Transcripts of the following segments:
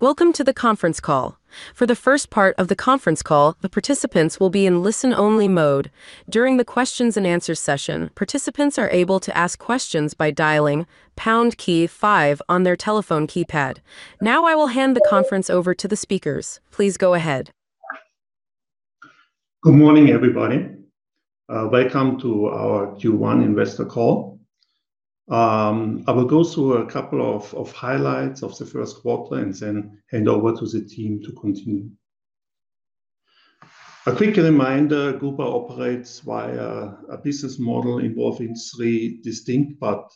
Welcome to the conference call. For the first part of the conference call, the participants will be in listen-only mode. During the questions and answers session, participants are able to ask questions by dialing pound key five on their telephone keypad. Now I will hand the conference over to the speakers. Please go ahead. Good morning, everybody. Welcome to our Q1 investor call. I will go through a couple of highlights of the first quarter and then hand over to the team to continue. A quick reminder, Gubra operates via a business model involving three distinct but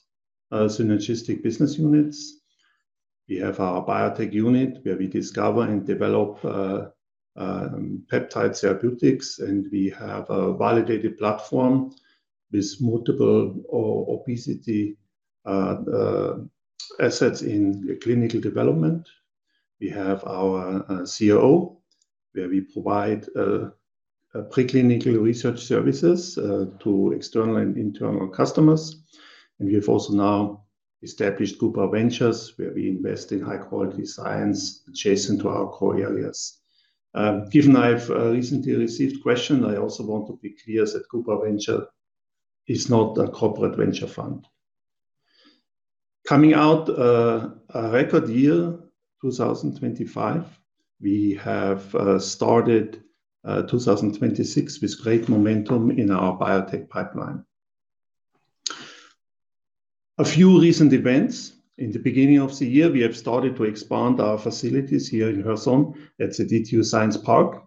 synergistic business units. We have our Biotech unit where we discover and develop peptide therapeutics, and we have a validated platform with multiple obesity assets in clinical development. We have our CRO, where we provide preclinical research services to external and internal customers. We have also now established Gubra Ventures, where we invest in high-quality science adjacent to our core areas. Given I've recently received question, I also want to be clear that Gubra Ventures is not a corporate venture fund. Coming out a record year, 2025, we have started 2026 with great momentum in our biotech pipeline. A few recent events. In the beginning of the year, we have started to expand our facilities here in Hørsholm at the DTU Science Park.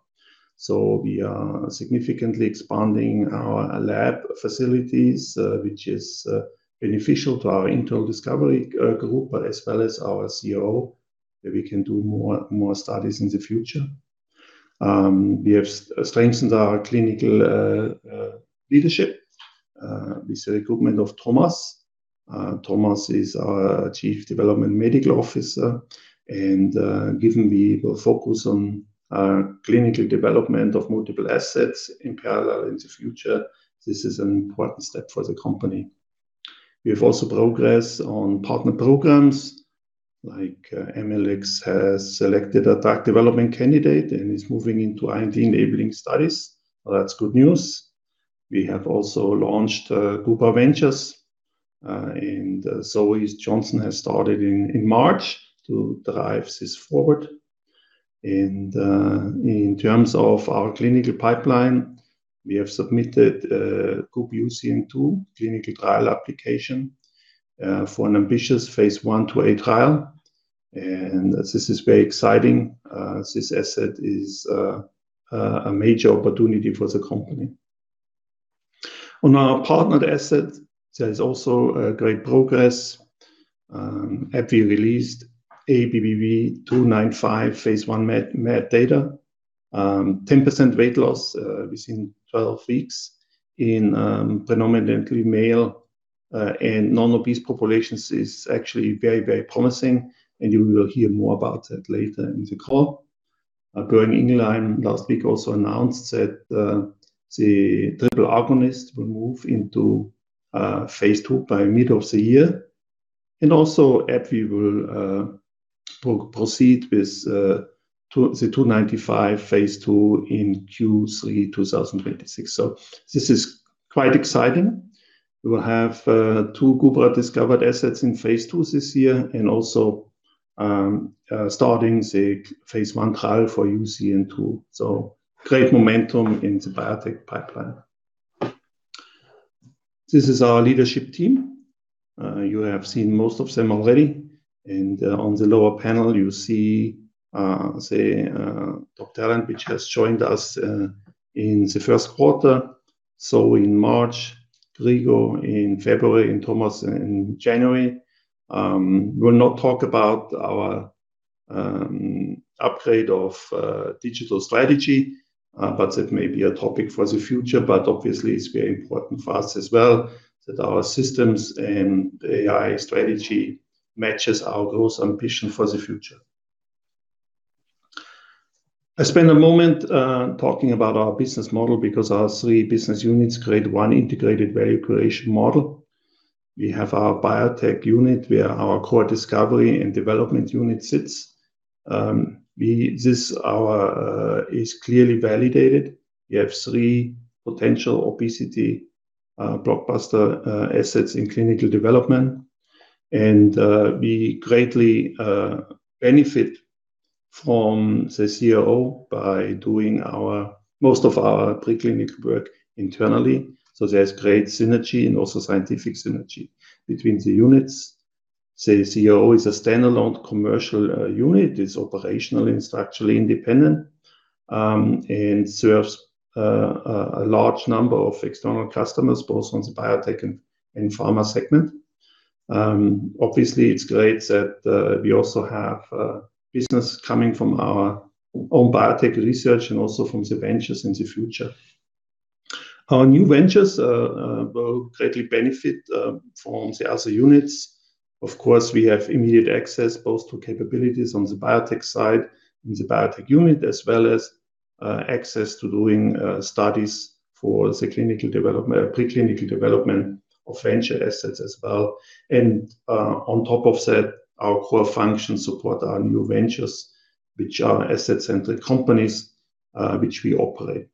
We are significantly expanding our lab facilities, which is beneficial to our internal discovery group, but as well as our CRO, that we can do more studies in the future. We have strengthened our clinical leadership with the recruitment of Thomas. Thomas is our Chief Development Medical Officer. Given we will focus on clinical development of multiple assets in parallel in the future, this is an important step for the company. We have also progress on partner programs, like Amylyx has selected a drug development candidate and is moving into IND-enabling studies. That's good news. We have also launched Gubra Ventures, Zoë Johnson has started in March to drive this forward. In terms of our clinical pipeline, we have submitted GUB-UCN2 clinical trial application for an ambitious phase I/II-A trial. This is very exciting. This asset is a major opportunity for the company. On our partnered asset, there is also great progress. AbbVie released ABBV-295 phase I MAD data. 10% weight loss within 12 weeks in predominantly male and non-obese populations is actually very promising, and you will hear more about that later in the call. Boehringer Ingelheim last week also announced that the triple agonist will move into phase II by middle of the year. AbbVie will proceed with the 295 phase II in Q3 2026. This is quite exciting. We will have two Gubra-discovered assets in phase II this year and also starting the phase I trial for UCN2. Great momentum in the biotech pipeline. This is our leadership team. You have seen most of them already. On the lower panel, you see the top talent which has joined us in the first quarter. In March, Grigo in February, and Thomas in January. We'll not talk about our upgrade of digital strategy, but it may be a topic for the future. Obviously, it's very important for us as well that our systems and AI strategy matches our goals and vision for the future. I spend a moment talking about our business model because our three business units create one integrated value creation model. We have our Biotech unit, where our core discovery and development unit sits. It is clearly validated. We have three potential obesity blockbuster assets in clinical development. We greatly benefit from the CRO by doing most of our preclinical work internally. There's great synergy and also scientific synergy between the units. The CRO is a standalone commercial unit. It's operational and structurally independent and serves a large number of external customers, both on the biotech and pharma segment. Obviously, it's great that we also have business coming from our own biotech research and also from the ventures in the future. Our new Ventures will greatly benefit from the other units. Of course, we have immediate access both to capabilities on the Biotech side, in the Biotech unit, as well as access to doing studies for the pre-clinical development of venture assets as well. On top of that, our core functions support our new Ventures, which are asset-centric companies, which we operate.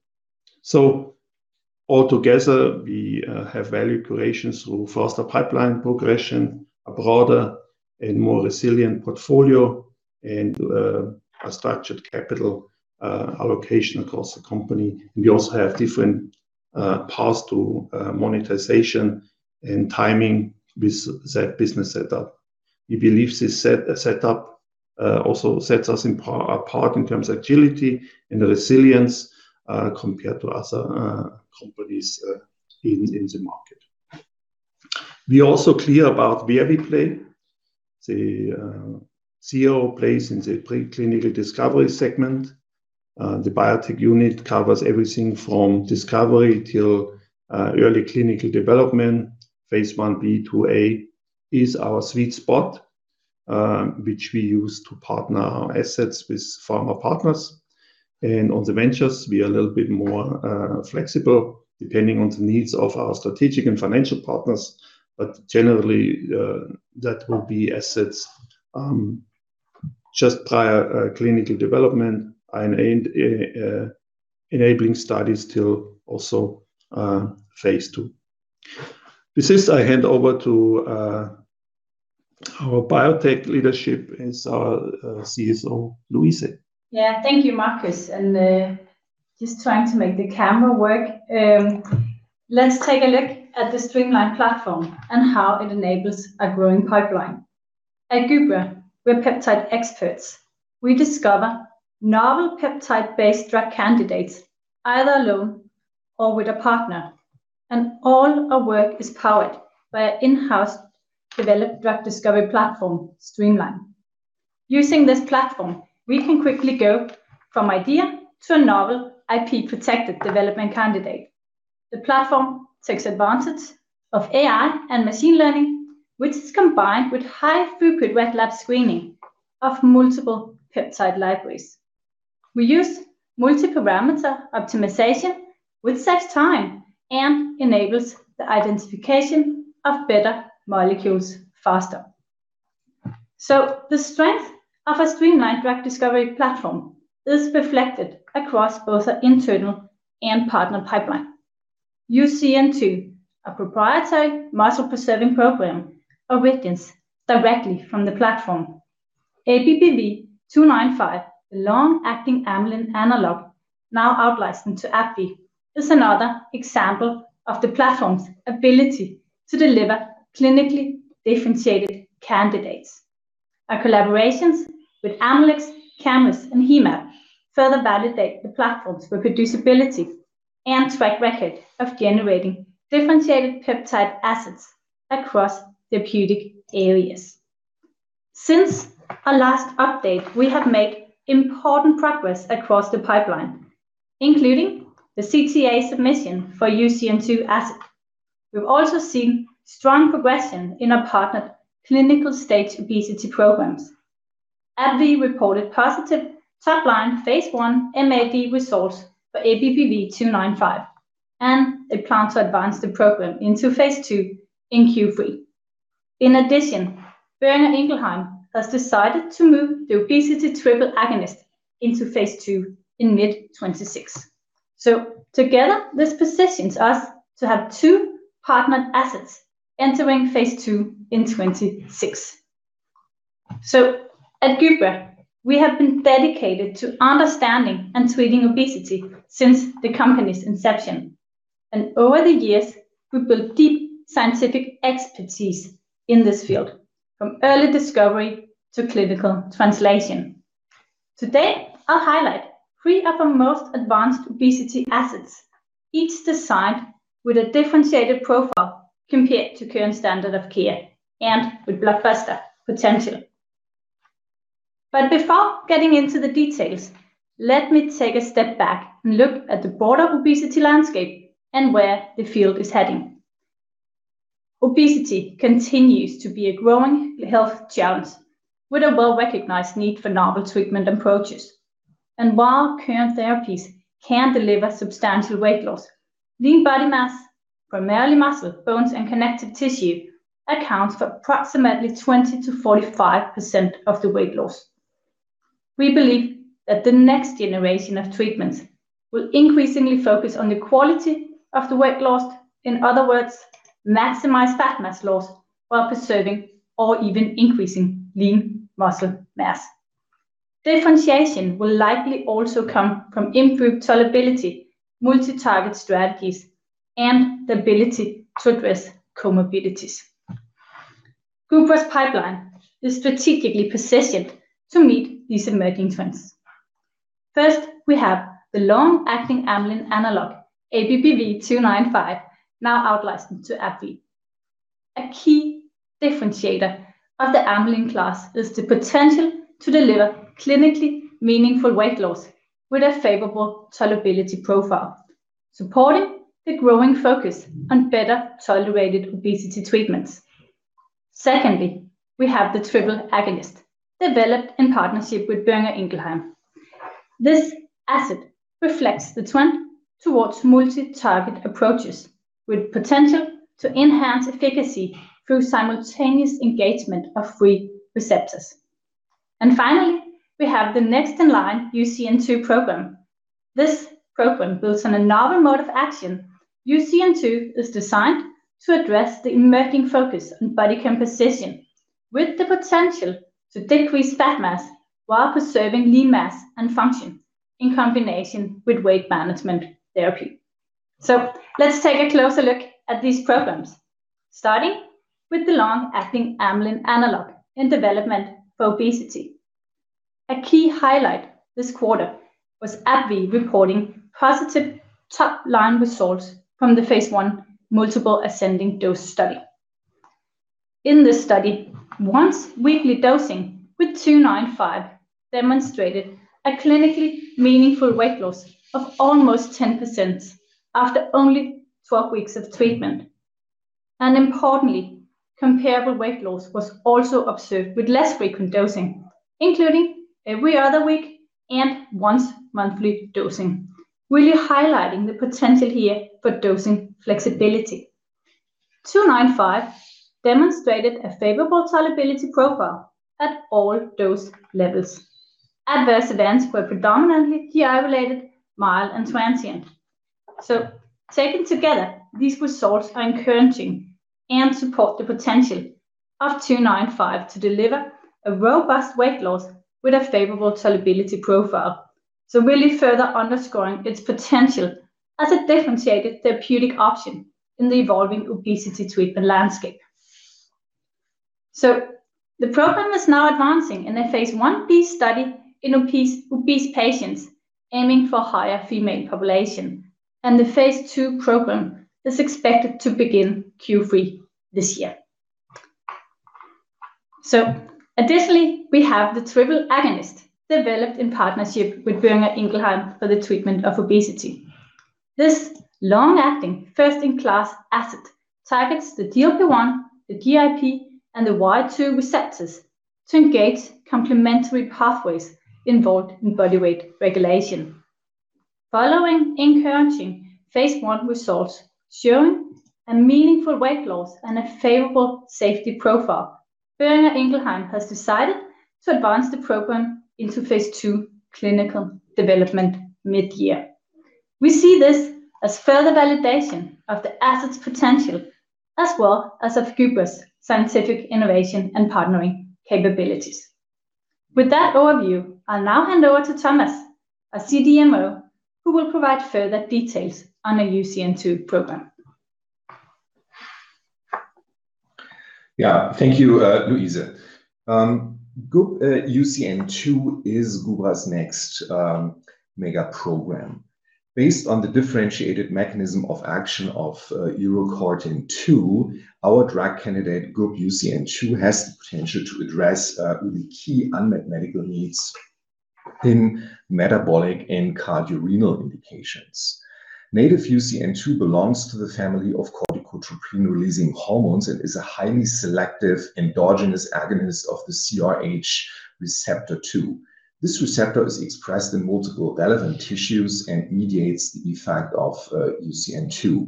All together we have value creation through faster pipeline progression, a broader and more resilient portfolio, and a structured capital allocation across the company. We also have different paths to monetization and timing with that business setup. We believe this setup also sets us apart in terms of agility and resilience compared to other companies in the market. We are also clear about where we play. The CRO plays in the preclinical discovery segment. The biotech unit covers everything from discovery till early clinical development. Phase I-B/II-A is our sweet spot, which we use to partner our assets with pharma partners. On the ventures we are a little bit more flexible depending on the needs of our strategic and financial partners. Generally, that will be assets just prior clinical development and enabling studies till also phase II. With this I hand over to our biotech leadership and our CSO, Louise. Yeah. Thank you, Markus. Just trying to make the camera work. Let's take a look at the streaMLine platform and how it enables our growing pipeline. At Gubra, we're peptide experts. We discover novel peptide-based drug candidates either alone or with a partner. All our work is powered by our in-house developed drug discovery platform, streaMLine. Using this platform, we can quickly go from idea to a novel IP-protected development candidate. The platform takes advantage of AI and machine learning, which is combined with high-throughput wet lab screening of multiple peptide libraries. We use multi-parameter optimization, which saves time and enables the identification of better molecules faster. The strength of our streaMLine drug discovery platform is reflected across both our internal and partner pipeline. UCN2, a proprietary muscle preserving program, originates directly from the platform. ABBV-295, a long-acting amylin analog, now out-licensed to AbbVie, is another example of the platform's ability to deliver clinically differentiated candidates. Our collaborations with Amylyx, Camurus, and Hemab further validate the platform's reproducibility and track record of generating differentiated peptide assets across therapeutic areas. Since our last update, we have made important progress across the pipeline, including the CTA submission for UCN2 asset. We've also seen strong progression in our partnered clinical-stage obesity programs. AbbVie reported positive top line phase I MAD results for ABBV-295, and they plan to advance the program into phase II in Q3. In addition, Boehringer Ingelheim has decided to move the obesity triple agonist into phase II in mid-2026. Together, this positions us to have two partnered assets entering phase II in 2026. At Gubra, we have been dedicated to understanding and treating obesity since the company's inception, and over the years we've built deep scientific expertise in this field, from early discovery to clinical translation. Today, I'll highlight three of our most advanced obesity assets, each designed with a differentiated profile compared to current standard of care and with blockbuster potential. Before getting into the details, let me take a step back and look at the broader obesity landscape and where the field is heading. Obesity continues to be a growing health challenge with a well-recognized need for novel treatment approaches. While current therapies can deliver substantial weight loss, lean body mass, primarily muscle, bones, and connective tissue, accounts for approximately 20%-45% of the weight loss. We believe that the next generation of treatments will increasingly focus on the quality of the weight lost. In other words, maximize fat mass loss while preserving or even increasing lean muscle mass. Differentiation will likely also come from improved tolerability, multi-target strategies, and the ability to address comorbidities. Gubra's pipeline is strategically positioned to meet these emerging trends. First, we have the long-acting amylin analog, ABBV-295, now out-licensed to AbbVie. A key differentiator of the amylin class is the potential to deliver clinically meaningful weight loss with a favorable tolerability profile, supporting the growing focus on better-tolerated obesity treatments. Secondly, we have the triple agonist developed in partnership with Boehringer Ingelheim. This asset reflects the trend towards multi-target approaches with potential to enhance efficacy through simultaneous engagement of three receptors. Finally, we have the next in line UCN2 program. This program builds on a novel mode of action. UCN2 is designed to address the emerging focus on body composition with the potential to decrease fat mass while preserving lean mass and function in combination with weight management therapy. Let's take a closer look at these programs, starting with the long-acting amylin analog in development for obesity. A key highlight this quarter was AbbVie reporting positive top-line results from the phase I multiple ascending dose study. In this study, once weekly dosing with 295 demonstrated a clinically meaningful weight loss of almost 10% after only 12 weeks of treatment. Importantly, comparable weight loss was also observed with less frequent dosing, including every other week and once monthly dosing, really highlighting the potential here for dosing flexibility. 295 demonstrated a favorable tolerability profile at all dose levels. Adverse events were predominantly GI related, mild, and transient. Taken together, these results are encouraging and support the potential of 295 to deliver a robust weight loss with a favorable tolerability profile, really further underscoring its potential as a differentiated therapeutic option in the evolving obesity treatment landscape. The program is now advancing in a phase I-B study in obese patients aiming for higher female population, and the phase II program is expected to begin Q3 this year. Additionally, we have the triple agonist developed in partnership with Boehringer Ingelheim for the treatment of obesity. This long-acting first-in-class asset targets the GLP-1, the GIP, and the Y2 receptors to engage complementary pathways involved in body weight regulation. Following encouraging phase I results showing a meaningful weight loss and a favorable safety profile, Boehringer Ingelheim has decided to advance the program into phase II clinical development mid-year. We see this as further validation of the asset's potential, as well as of Gubra's scientific innovation and partnering capabilities. With that overview, I'll now hand over to Thomas, our CDMO, who will provide further details on our UCN2 program. Yeah. Thank you, Louise. UCN2 is Gubra's next mega program based on the differentiated mechanism of action of urocortin 2, our drug candidate GUB-UCN2 has the potential to address really key unmet medical needs in metabolic and cardiorenal indications. Native UCN2 belongs to the family of corticotropin-releasing hormones and is a highly selective endogenous agonist of the CRH receptor 2. This receptor is expressed in multiple relevant tissues and mediates the effect of UCN2.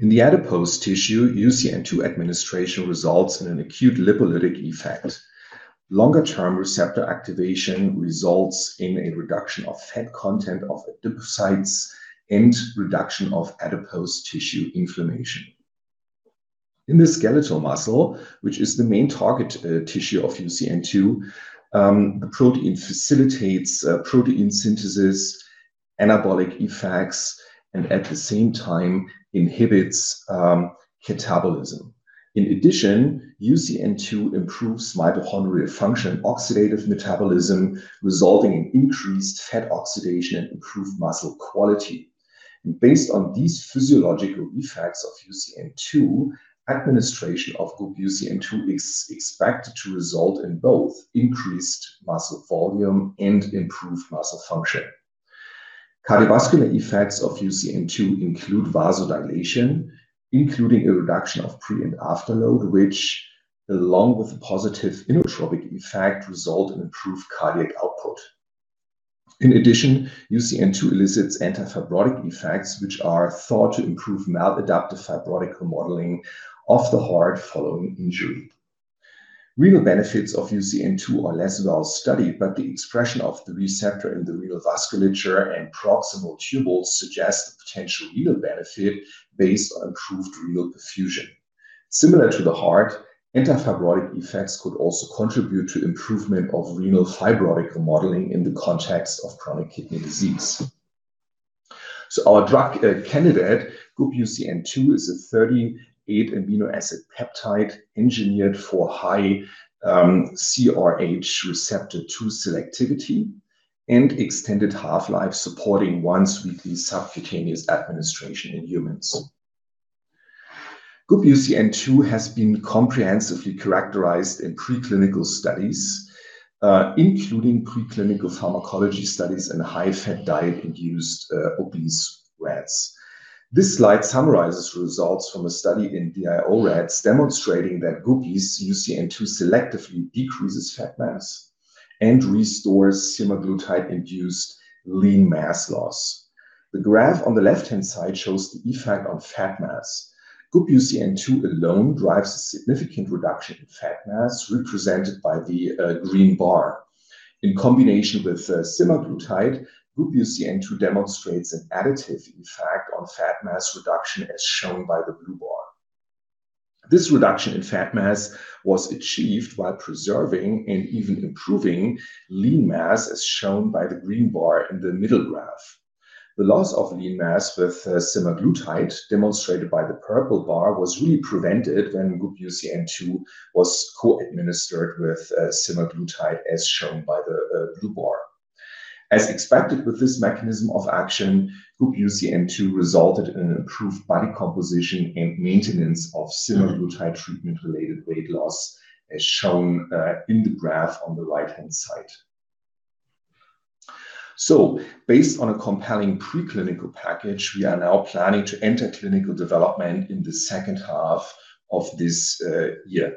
In the adipose tissue, UCN2 administration results in an acute lipolytic effect. Longer-term receptor activation results in a reduction of fat content of adipocytes and reduction of adipose tissue inflammation. In the skeletal muscle, which is the main target tissue of UCN2, the protein facilitates protein synthesis, anabolic effects, and at the same time inhibits catabolism. In addition, UCN2 improves mitochondrial function and oxidative metabolism, resulting in increased fat oxidation and improved muscle quality. Based on these physiological effects of UCN2, administration of GUB-UCN2 is expected to result in both increased muscle volume and improved muscle function. Cardiovascular effects of UCN2 include vasodilation, including a reduction of pre and afterload, which, along with a positive inotropic effect, result in improved cardiac output. In addition, UCN2 elicits anti-fibrotic effects, which are thought to improve maladaptive fibrotic remodeling of the heart following injury. Renal benefits of UCN2 are less well studied, but the expression of the receptor in the renal vasculature and proximal tubules suggests a potential renal benefit based on improved renal perfusion. Similar to the heart, anti-fibrotic effects could also contribute to improvement of renal fibrotic remodeling in the context of chronic kidney disease. Our drug candidate GUB-UCN2 is a 38 amino acid peptide engineered for high CRH receptor 2 selectivity and extended half-life, supporting once-weekly subcutaneous administration in humans. GUB-UCN2 has been comprehensively characterized in preclinical studies, including preclinical pharmacology studies in a high-fat diet-induced obese rats. This slide summarizes results from a study in DIO rats demonstrating that GUB-UCN2 selectively decreases fat mass and restores semaglutide-induced lean mass loss. The graph on the left-hand side shows the effect on fat mass. GUB-UCN2 alone drives a significant reduction in fat mass represented by the green bar. In combination with semaglutide, GUB-UCN2 demonstrates an additive effect on fat mass reduction, as shown by the blue bar. This reduction in fat mass was achieved while preserving and even improving lean mass, as shown by the green bar in the middle graph. The loss of lean mass with semaglutide, demonstrated by the purple bar, was really prevented when GUB-UCN2 was co-administered with semaglutide, as shown by the blue bar. As expected with this mechanism of action, GUB-UCN2 resulted in an improved body composition and maintenance of semaglutide treatment-related weight loss, as shown in the graph on the right-hand side. Based on a compelling preclinical package, we are now planning to enter clinical development in the second half of this year.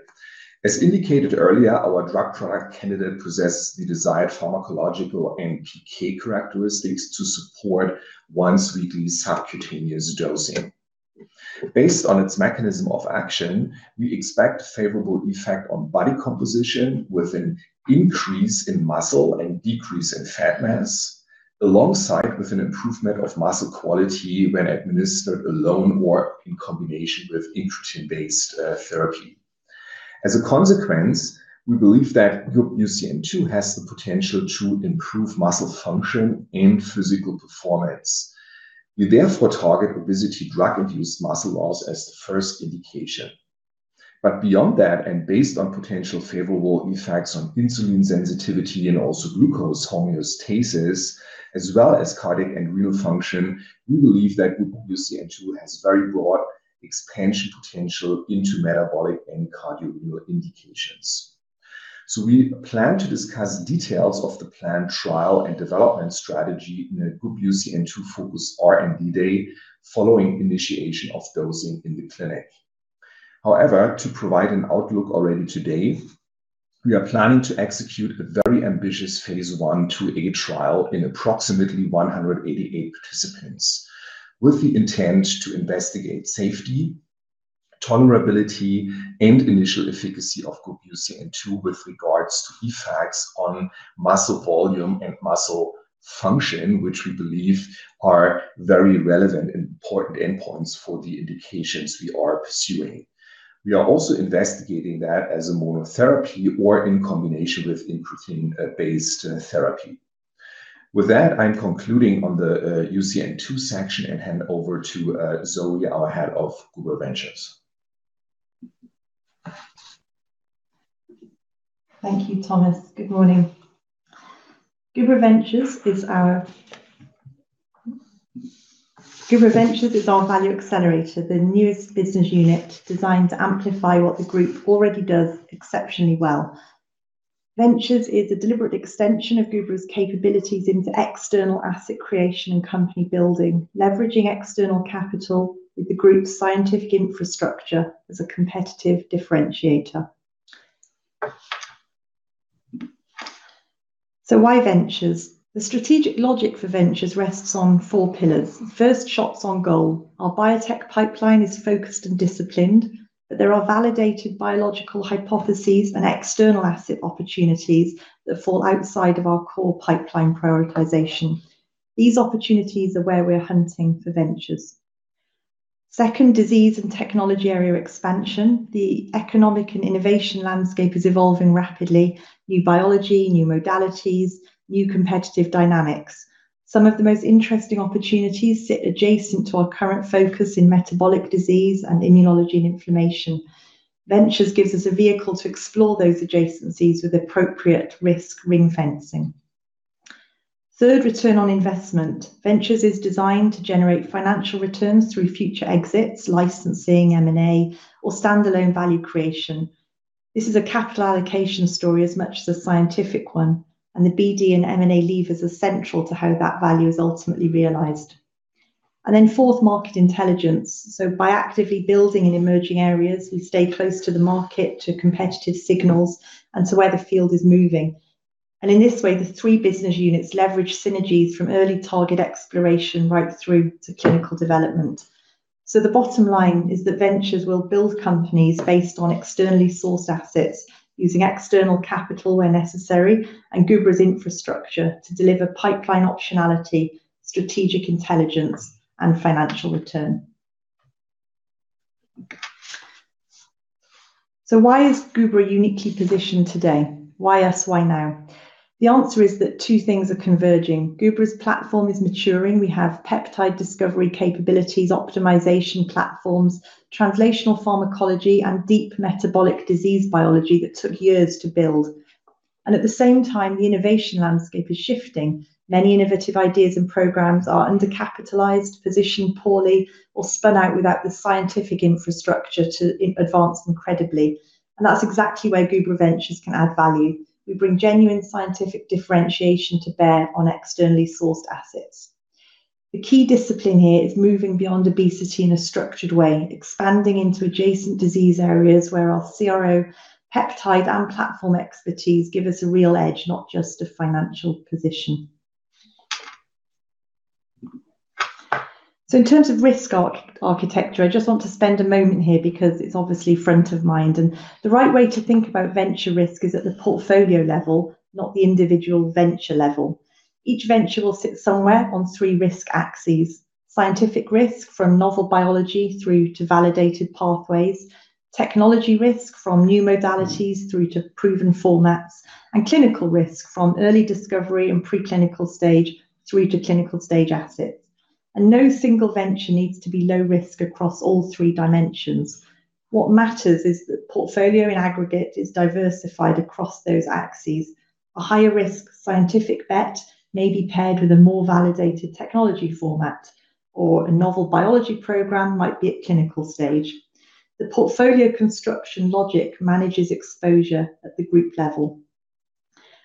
As indicated earlier, our drug product candidate possesses the desired pharmacological and PK characteristics to support once-weekly subcutaneous dosing. Based on its mechanism of action, we expect favorable effect on body composition with an increase in muscle and decrease in fat mass alongside with an improvement of muscle quality when administered alone or in combination with incretin-based therapy. As a consequence, we believe that GUB-UCN2 has the potential to improve muscle function and physical performance. We therefore target obesity drug-induced muscle loss as the first indication. Beyond that, and based on potential favorable effects on insulin sensitivity and also glucose homeostasis, as well as cardiac and renal function, we believe that GUB-UCN2 has very broad expansion potential into metabolic and cardiovascular indications. We plan to discuss details of the planned trial and development strategy in a GUB-UCN2 focused R&D day following initiation of dosing in the clinic. However, to provide an outlook already today, we are planning to execute a very ambitious phase I/II-A trial in approximately 188 participants with the intent to investigate safety, tolerability, and initial efficacy of GUB-UCN2 with regards to effects on muscle volume and muscle function, which we believe are very relevant and important endpoints for the indications we are pursuing. We are also investigating that as a monotherapy or in combination with incretin-based therapy. With that, I'm concluding on the UCN2 section and hand over to Zoë, our Head of Gubra Ventures. Thank you, Thomas. Good morning. Gubra Ventures is our value accelerator, the newest business unit designed to amplify what the group already does exceptionally well. Ventures is a deliberate extension of Gubra's capabilities into external asset creation and company building, leveraging external capital with the group's scientific infrastructure as a competitive differentiator. Why ventures? The strategic logic for ventures rests on four pillars. First, shots on goal. Our biotech pipeline is focused and disciplined, there are validated biological hypotheses and external asset opportunities that fall outside of our core pipeline prioritization. These opportunities are where we're hunting for ventures. Second, disease and technology area expansion. The economic and innovation landscape is evolving rapidly. New biology, new modalities, new competitive dynamics. Some of the most interesting opportunities sit adjacent to our current focus in metabolic disease and immunology and inflammation. Ventures gives us a vehicle to explore those adjacencies with appropriate risk ring-fencing. Third, return on investment. Ventures is designed to generate financial returns through future exits, licensing, M&A, or standalone value creation. This is a capital allocation story as much as a scientific one, and the BD and M&A levers are central to how that value is ultimately realized. Fourth, market intelligence. By actively building in emerging areas, we stay close to the market, to competitive signals, and to where the field is moving. In this way, the three business units leverage synergies from early target exploration right through to clinical development. The bottom line is that Ventures will build companies based on externally sourced assets, using external capital where necessary, and Gubra's infrastructure to deliver pipeline optionality, strategic intelligence, and financial return. Why is Gubra uniquely positioned today? Why us? Why now? The answer is that two things are converging. Gubra's platform is maturing. We have peptide discovery capabilities, optimization platforms, translational pharmacology, and deep metabolic disease biology that took years to build. At the same time, the innovation landscape is shifting. Many innovative ideas and programs are undercapitalized, positioned poorly, or spun out without the scientific infrastructure to advance incredibly. That's exactly where Gubra Ventures can add value. We bring genuine scientific differentiation to bear on externally sourced assets. The key discipline here is moving beyond obesity in a structured way, expanding into adjacent disease areas where our CRO, peptide, and platform expertise give us a real edge, not just a financial position. In terms of risk architecture, I just want to spend a moment here because it's obviously front of mind. The right way to think about venture risk is at the portfolio level, not the individual venture level. Each venture will sit somewhere on three risk axes: scientific risk from novel biology through to validated pathways, technology risk from new modalities through to proven formats, and clinical risk from early discovery and preclinical stage through to clinical stage assets. No single venture needs to be low risk across all three dimensions. What matters is the portfolio in aggregate is diversified across those axes. A higher risk scientific bet may be paired with a more validated technology format, or a novel biology program might be at clinical stage. The portfolio construction logic manages exposure at the group level.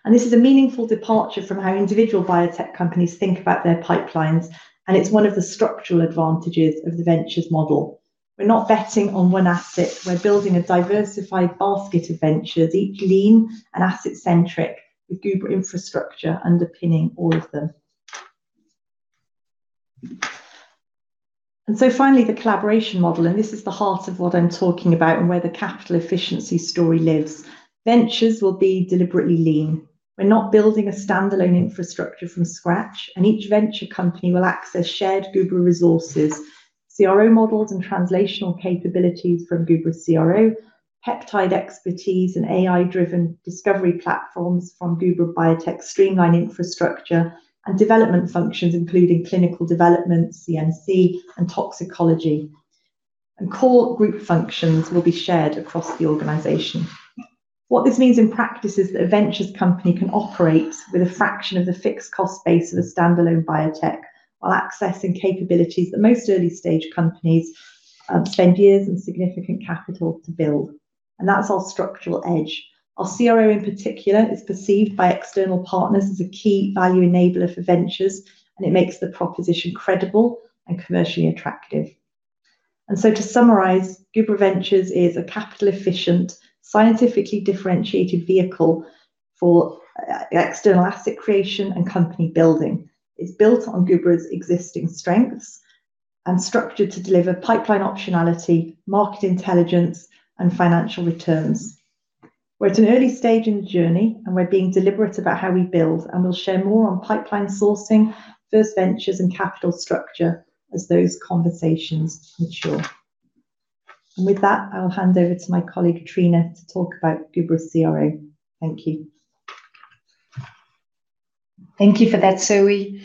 This is a meaningful departure from how individual biotech companies think about their pipelines, and it's one of the structural advantages of the ventures model. We're not betting on one asset, we're building a diversified basket of ventures, each lean and asset centric with Gubra infrastructure underpinning all of them. Finally, the collaboration model, and this is the heart of what I'm talking about and where the capital efficiency story lives. Ventures will be deliberately lean. We're not building a standalone infrastructure from scratch, and each venture company will access shared Gubra resources, CRO models, and translational capabilities from Gubra CRO, peptide expertise and AI-driven discovery platforms from Gubra Biotech streaMLine infrastructure and development functions, including clinical development, CMC, and toxicology. Core group functions will be shared across the organization. What this means in practice is that a ventures company can operate with a fraction of the fixed cost base of a standalone biotech while accessing capabilities that most early-stage companies spend years and significant capital to build. That's our structural edge. Our CRO in particular is perceived by external partners as a key value enabler for ventures, and it makes the proposition credible and commercially attractive. To summarize, Gubra Ventures is a capital efficient, scientifically differentiated vehicle for external asset creation and company building. It's built on Gubra's existing strengths and structured to deliver pipeline optionality, market intelligence, and financial returns. We're at an early stage in the journey, and we're being deliberate about how we build, and we'll share more on pipeline sourcing, first ventures, and capital structure as those conversations mature. I'll hand over to my colleague, Trine, to talk about Gubra CRO. Thank you. Thank you for that, Zoë.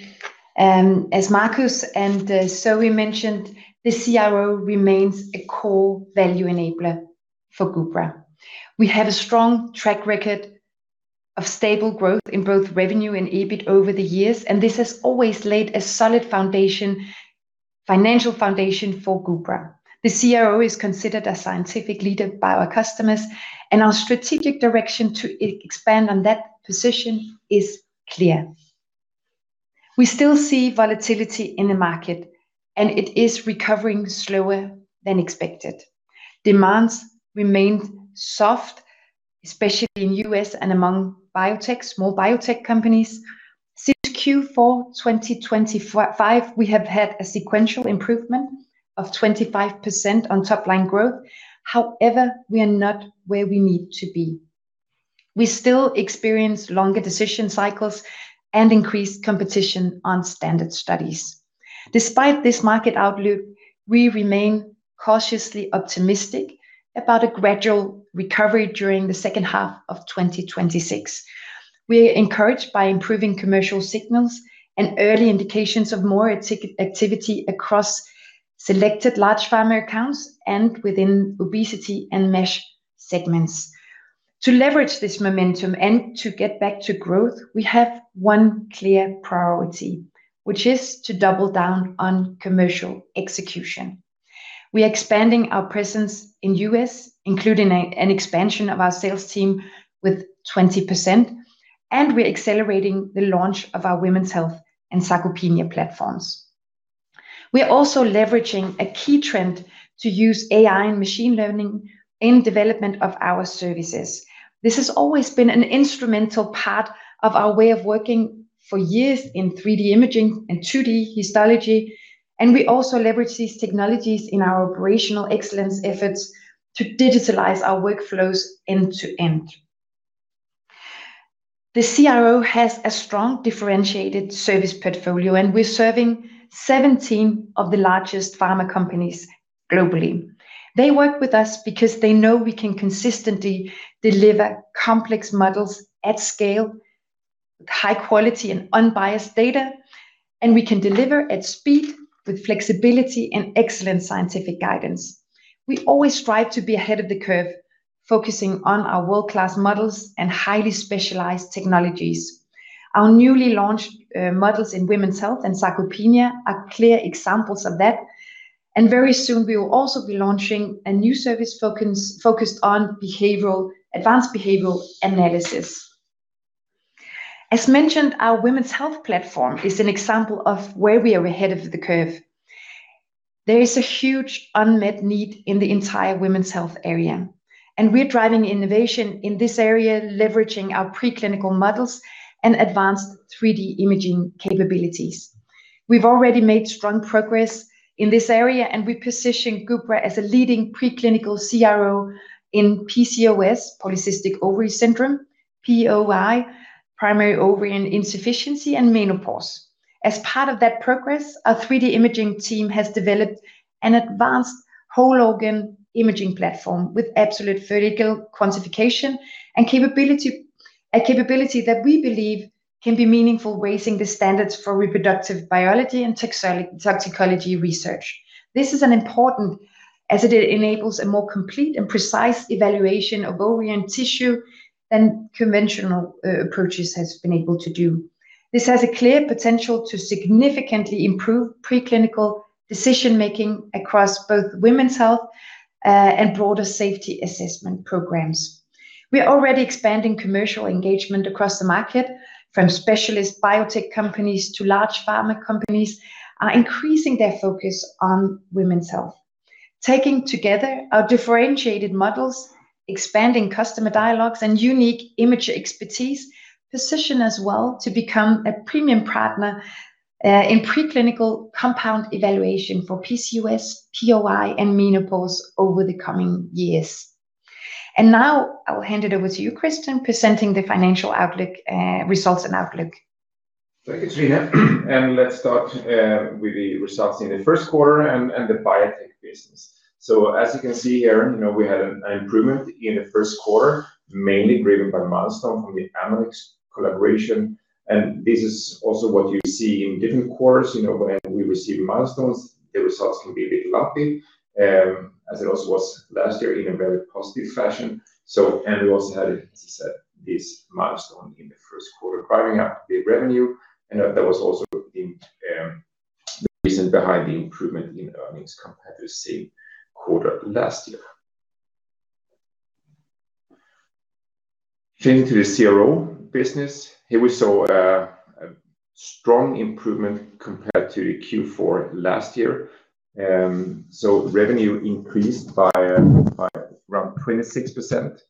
As Markus and Zoë mentioned, the CRO remains a core value enabler for Gubra. We have a strong track record of stable growth in both revenue and EBIT over the years. This has always laid a solid foundation, financial foundation for Gubra. The CRO is considered a scientific leader by our customers. Our strategic direction to expand on that position is clear. We still see volatility in the market. It is recovering slower than expected. Demands remained soft, especially in U.S. and among biotech, small biotech companies. Since Q4 2025, we have had a sequential improvement of 25% on top line growth. We are not where we need to be. We still experience longer decision cycles and increased competition on standard studies. Despite this market outlook, we remain cautiously optimistic about a gradual recovery during the second half of 2026. We are encouraged by improving commercial signals and early indications of more activity across selected large pharma accounts and within obesity and MASH segments. To leverage this momentum and to get back to growth, we have one clear priority, which is to double down on commercial execution. We are expanding our presence in U.S., including an expansion of our sales team with 20%, and we're accelerating the launch of our women's health and sarcopenia platforms. We are also leveraging a key trend to use AI and machine learning in development of our services. This has always been an instrumental part of our way of working for years in 3D imaging and 2D histology. We also leverage these technologies in our operational excellence efforts to digitalize our workflows end to end. The CRO has a strong differentiated service portfolio. We're serving 17 of the largest pharma companies globally. They work with us because they know we can consistently deliver complex models at scale, high quality and unbiased data. We can deliver at speed with flexibility and excellent scientific guidance. We always strive to be ahead of the curve, focusing on our world-class models and highly specialized technologies. Our newly launched models in women's health and sarcopenia are clear examples of that, and very soon we will also be launching a new service focused on advanced behavioral analysis. As mentioned, our women's health platform is an example of where we are ahead of the curve. There is a huge unmet need in the entire women's health area, and we're driving innovation in this area, leveraging our preclinical models and advanced 3D imaging capabilities. We've already made strong progress in this area, and we position Gubra as a leading preclinical CRO in PCOS, polycystic ovary syndrome, POI, primary ovarian insufficiency, and menopause. As part of that progress, our 3D imaging team has developed an advanced whole organ imaging platform with absolute vertical quantification and capability, a capability that we believe can be meaningful, raising the standards for reproductive biology and toxicology research. This is an important as it enables a more complete and precise evaluation of ovarian tissue than conventional approaches has been able to do. This has a clear potential to significantly improve preclinical decision-making across both women's health and broader safety assessment programs. We are already expanding commercial engagement across the market from specialist biotech companies to large pharma companies are increasing their focus on women's health. Taking together our differentiated models, expanding customer dialogues, and unique image expertise position us well to become a premium partner in preclinical compound evaluation for PCOS, POI, and menopause over the coming years. Now I will hand it over to you, Kristian, presenting the financial outlook results and outlook. Thank you, Trine. Let's start with the results in the first quarter and the biotech business. As you can see here, you know, we had an improvement in the first quarter, mainly driven by milestone from the Amylyx collaboration. This is also what you see in different quarters, you know, when we receive milestones, the results can be a bit lumpy, as it also was last year in a very positive fashion. We also had, as I said, this milestone in the first quarter firing up the revenue, and that was also the reason behind the improvement in earnings compared to the same quarter last year. Turning to the CRO business. Here we saw a strong improvement compared to Q4 last year. Revenue increased by around 26%.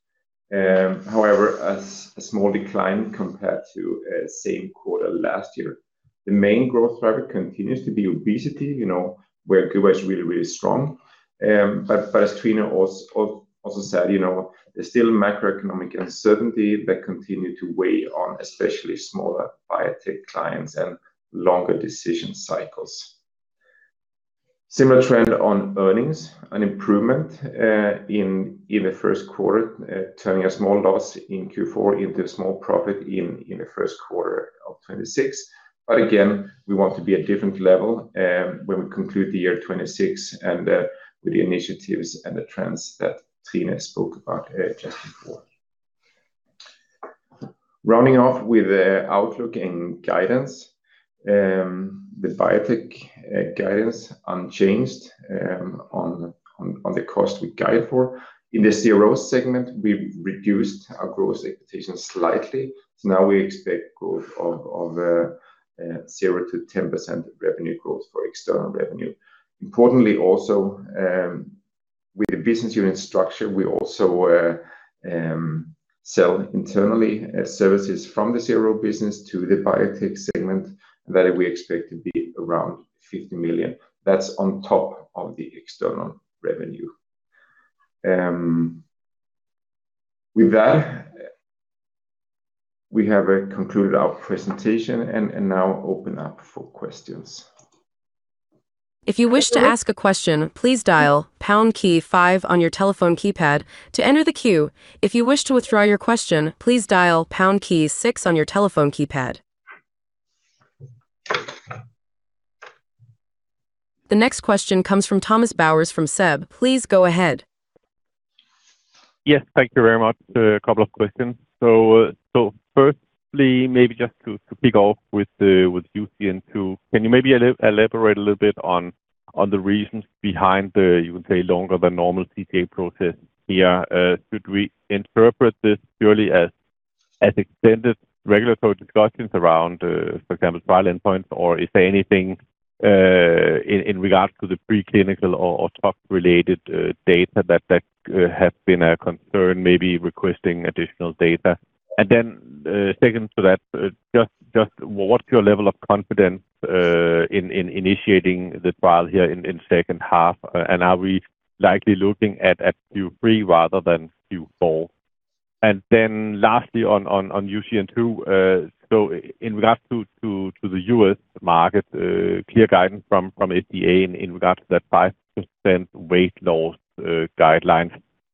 However, a small decline compared to same quarter last year. The main growth driver continues to be obesity, you know, where Gubra is really strong. But as Trine also said, you know, there's still macroeconomic uncertainty that continue to weigh on especially smaller biotech clients and longer decision cycles. Similar trend on earnings, an improvement in the first quarter, turning a small loss in Q4 into a small profit in the first quarter of 2026. Again, we want to be at different level when we conclude the year 2026 and with the initiatives and the trends that Trine spoke about just before. Rounding off with the outlook and guidance. The biotech guidance unchanged on the cost we guide for. In the CRO segment, we've reduced our growth expectation slightly. Now we expect growth of 0%-10% revenue growth for external revenue. Importantly, also, with the business unit structure, we also sell internally services from the CRO business to the biotech segment that we expect to be around 50 million. That's on top of the external revenue. With that, we have concluded our presentation and now open up for questions. The next question comes from Thomas Bowers from SEB. Please go ahead. Yes, thank you very much. A couple of questions. Firstly, maybe just to kick off with UCN2, can you maybe elaborate a little bit on the reasons behind the, you would say, longer than normal CTA process here? Should we interpret this purely as extended regulatory discussions around, for example, trial endpoints? Or is there anything in regards to the preclinical or tox-related data that have been a concern, maybe requesting additional data? Second to that, what's your level of confidence in initiating the trial here in second half? Are we likely looking at Q3 rather than Q4? Lastly, on UCN2, so in regards to the U.S. market, clear guidance from FDA in regards to that 5% weight loss guidelines,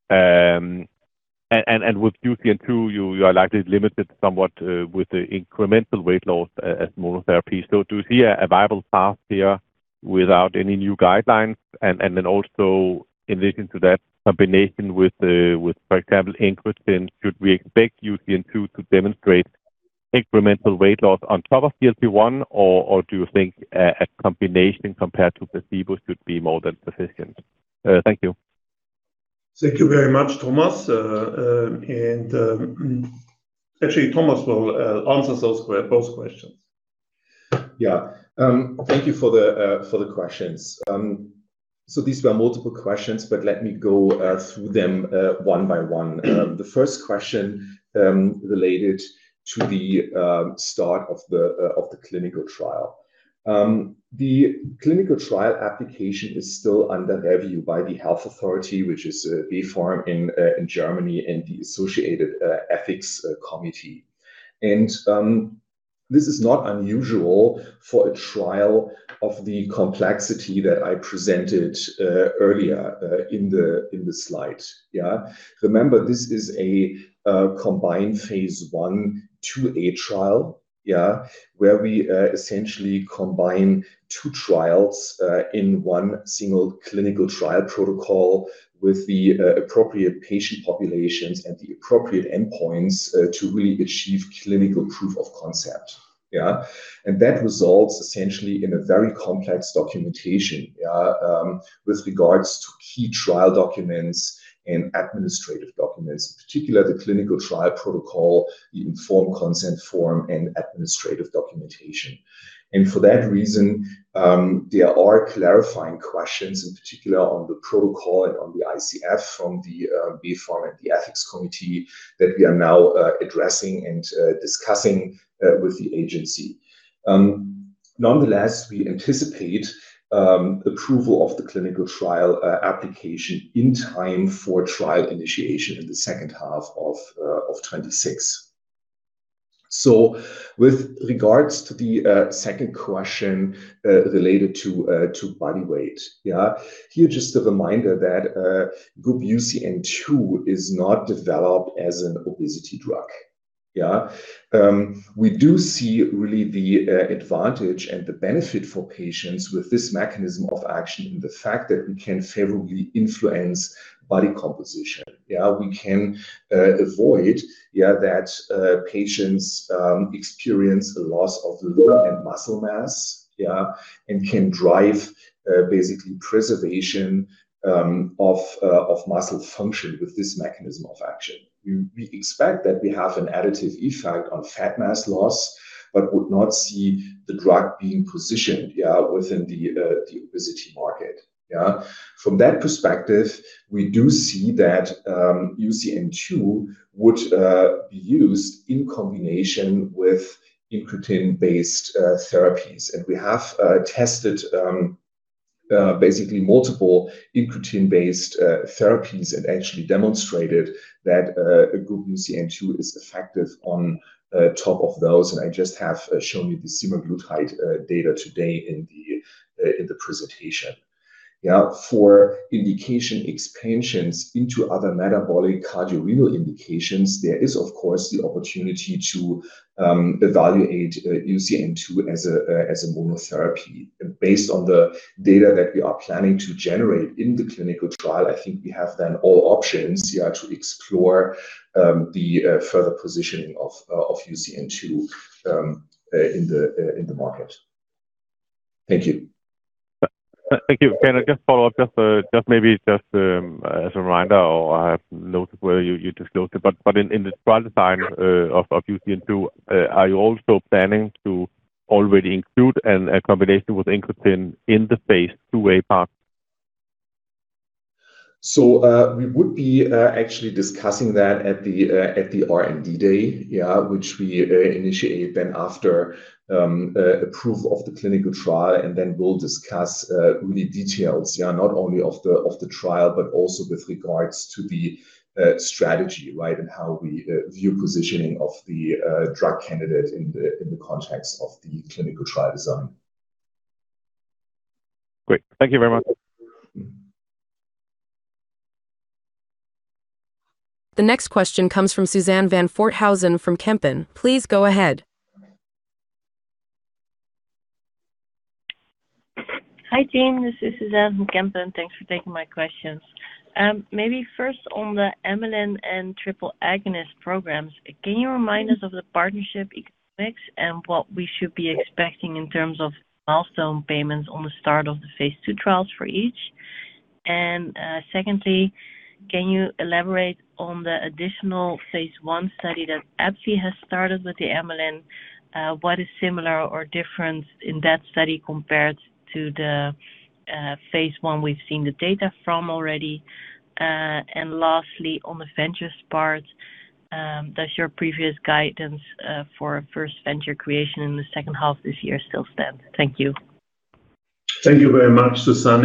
with UCN2, you are likely limited somewhat with the incremental weight loss as monotherapy. Do you see a viable path here without any new guidelines? Also in addition to that combination with, for example, incretin, should we expect UCN2 to demonstrate incremental weight loss on top of GLP-1? Do you think a combination compared to placebo should be more than sufficient? Thank you. Thank you very much, Thomas. Actually, Thomas will answer those questions. Yeah. Thank you for the questions. These were multiple questions, but let me go through them one by one. The first question related to the start of the clinical trial. The clinical trial application is still under review by the health authority, which is BfArM in Germany and the associated ethics committee. This is not unusual for a trial of the complexity that I presented earlier in the slide. Yeah. Remember this is a combined phase I/II-A trial, where we essentially combine two trials in one single clinical trial protocol with the appropriate patient populations and the appropriate endpoints to really achieve clinical proof of concept. That results essentially in a very complex documentation with regards to key trial documents and administrative documents, particularly the clinical trial protocol, the informed consent form, and administrative documentation. For that reason, there are clarifying questions in particular on the protocol and on the ICF from the BfArM and the ethics committee that we are now addressing and discussing with the agency. Nonetheless, we anticipate approval of the clinical trial application in time for trial initiation in the second half of 2026. With regards to the second question related to body weight. Here just a reminder that GUB-UCN2 is not developed as an obesity drug. We do see really the advantage and the benefit for patients with this mechanism of action and the fact that we can favorably influence body composition. We can avoid that patients experience a loss of lean and muscle mass and can drive basically preservation of muscle function with this mechanism of action. We expect that we have an additive effect on fat mass loss, but would not see the drug being positioned within the obesity market. From that perspective, we do see that UCN2 would be used in combination with incretin-based therapies. We have tested basically multiple incretin-based therapies and actually demonstrated that GUB-UCN2 is effective on top of those, and I just have shown you the semaglutide data today in the presentation. For indication expansions into other metabolic cardiovascular indications, there is of course the opportunity to evaluate UCN2 as a monotherapy. Based on the data that we are planning to generate in the clinical trial, I think we have then all options to explore the further positioning of UCN2 in the market. Thank you. Thank you. Can I just follow up just maybe just as a reminder or I have noted where you disclosed it, but in the trial design of UCN2, are you also planning to already include a combination with incretin in the phase II-A part? We would be actually discussing that at the R&D day, yeah, which we initiate then after approval of the clinical trial, and then we'll discuss really details, yeah, not only of the trial, but also with regards to the strategy, right, and how we view positioning of the drug candidate in the context of the clinical trial design. Great. Thank you very much. The next question comes from Suzanne van Voorthuizen from Kempen. Please go ahead. Hi team, this is Suzanne from Kempen. Thanks for taking my questions. Maybe first on the amylin and triple agonist programs, can you remind us of the partnership economics and what we should be expecting in terms of milestone payments on the start of the phase II trials for each? Secondly, can you elaborate on the additional phase I study that AbbVie has started with the amylin? What is similar or different in that study compared to the phase I we've seen the data from already? Lastly, on the ventures part, does your previous guidance for first venture creation in the second half this year still stand? Thank you. Thank you very much, Susanne.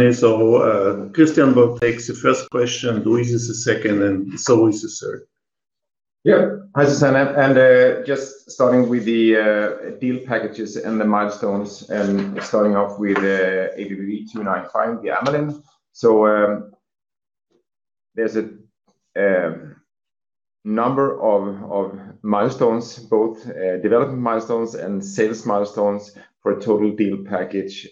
Kristian will take the first question, Louise is the second and Zoë is the third. Yeah. Hi, Susanne. Just starting with the deal packages and the milestones and starting off with ABBV-295, the amylin. There's a number of milestones, both development milestones and sales milestones for a total deal package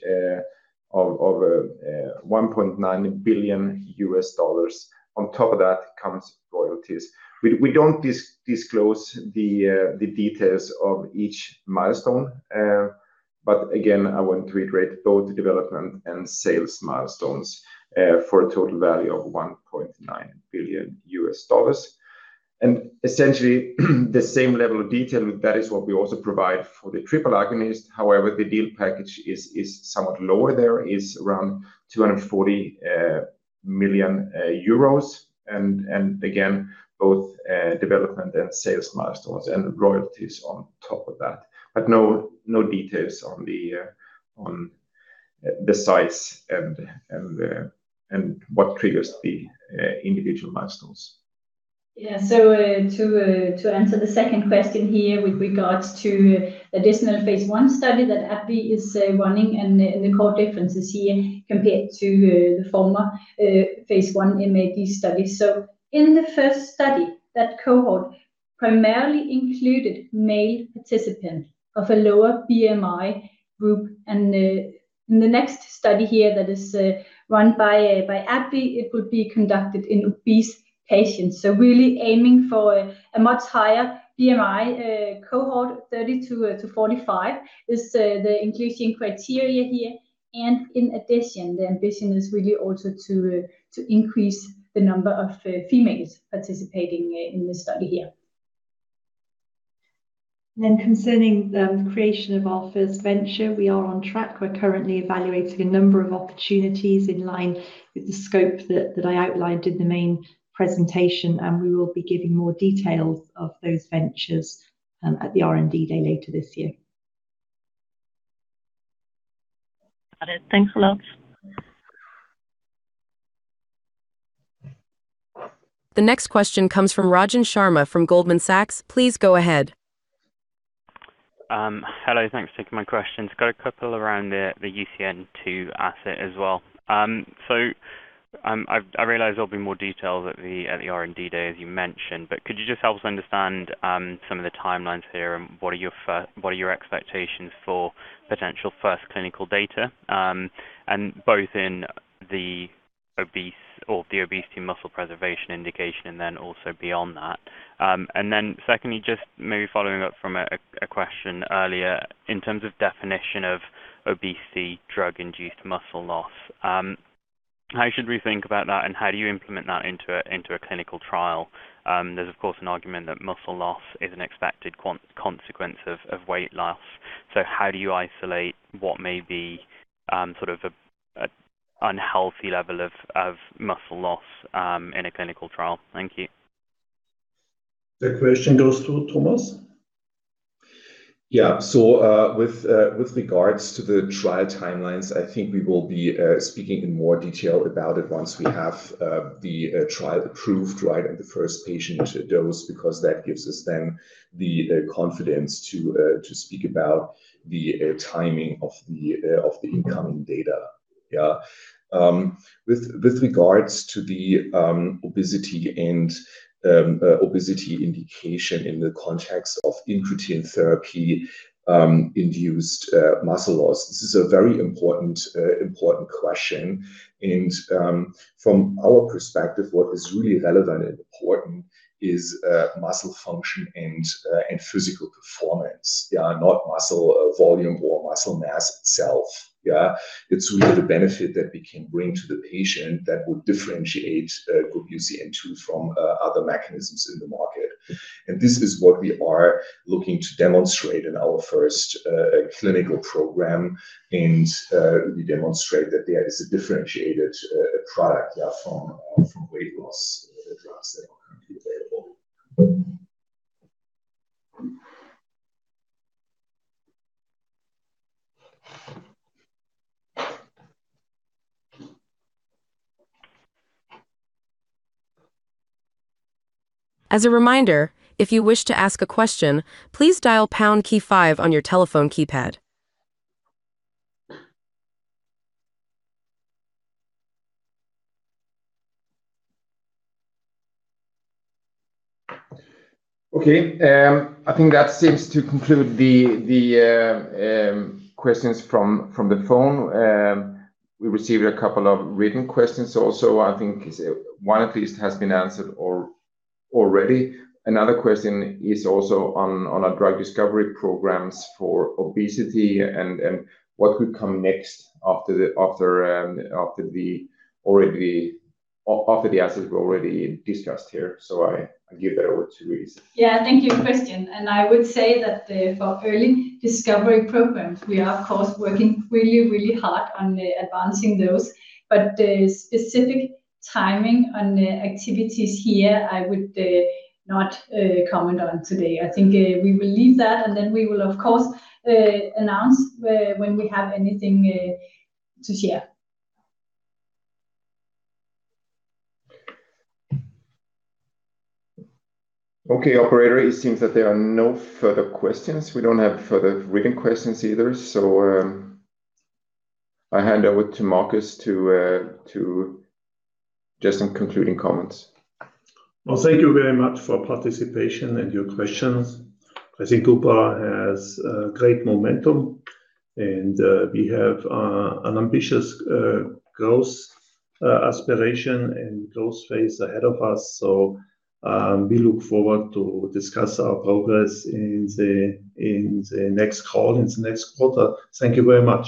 of $1.9 billion. On top of that comes royalties. We don't disclose the details of each milestone. Again, I want to reiterate both the development and sales milestones for a total value of $1.9 billion. Essentially, the same level of detail, that is what we also provide for the triple agonist. However, the deal package is somewhat lower. There is around 240 million euros and again, both development and sales milestones and royalties on top of that. No, no details on the on the sites and and what triggers the individual milestones. Yeah. To answer the second question here with regards to additional phase I study that AbbVie is running and the core differences here compared to the former phase I MAD study. In the first study, that cohort primarily included male participants of a lower BMI group. In the next study here that is run by AbbVie, it will be conducted in obese patients. Really aiming for a much higher BMI cohort, 30-45 is the inclusion criteria here. In addition, the ambition is really also to increase the number of females participating in this study here. Concerning the creation of our first venture, we are on track. We're currently evaluating a number of opportunities in line with the scope that I outlined in the main presentation. We will be giving more details of those ventures at the R&D day later this year. Got it. Thanks a lot. The next question comes from Rajan Sharma from Goldman Sachs. Please go ahead. Hello. Thanks for taking my questions. Got a couple around the UCN2 asset as well. I realize there'll be more details at the R&D day, as you mentioned, could you just help us understand some of the timelines here? What are your expectations for potential first clinical data, both in the obese or the obesity muscle preservation indication also beyond that? Secondly, just maybe following up from a question earlier. In terms of definition of obesity, drug-induced muscle loss, how should we think about that, how do you implement that into a clinical trial? There's of course an argument that muscle loss is an expected consequence of weight loss. How do you isolate what may be, sort of an unhealthy level of muscle loss, in a clinical trial? Thank you. The question goes to Thomas. Yeah. With regards to the trial timelines, I think we will be speaking in more detail about it once we have the trial approved, right? The first patient dose, because that gives us then the confidence to speak about the timing of the incoming data. Yeah. With regards to the obesity indication in the context of incretin therapy induced muscle loss, this is a very important question. From our perspective, what is really relevant and important is muscle function and physical performance. Yeah, not muscle volume or muscle mass itself. Yeah. It is really the benefit that we can bring to the patient that would differentiate GUB-UCN2 from other mechanisms in the market. This is what we are looking to demonstrate in our first clinical program, and really demonstrate that there is a differentiated product, yeah, from weight loss drugs that are currently available. As a reminder, if you wish to ask a question, please dial pound key five on your telephone keypad. Okay. I think that seems to conclude the questions from the phone. We received a couple of written questions also. I think one at least has been answered already. Another question is also on our drug discovery programs for obesity and what could come next after the already after the assets we already discussed here. I give that over to Louise. Yeah. Thank you, Kristian. I would say that the, for early discovery programs, we are of course working really, really hard on advancing those. The specific timing on activities here, I would not comment on today. I think we will leave that, then we will of course announce when we have anything to share. Okay, operator, it seems that there are no further questions. We don't have further written questions either. I hand over to Markus to Just some concluding comments. Well, thank you very much for participation and your questions. I think Gubra has great momentum, and we have an ambitious growth aspiration and growth phase ahead of us. We look forward to discuss our progress in the next call, in the next quarter. Thank you very much.